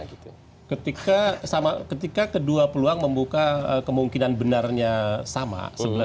ketika kedua peluang membuka kemungkinan benarnya sama sebelas dua belas